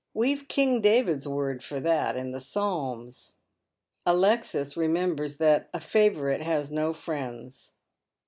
We've king David's word for that in the Psalms." Alexis reniembers that " a favourite has no friends."